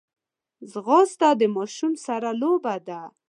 ځغاسته د ماشوم سره لوبه ده